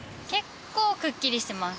くっきりしてます？